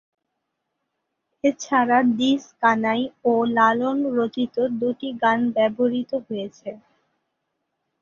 এছাড়া দ্বিজ কানাই ও লালন রচিত দুটি গান ব্যবহৃত হয়েছে।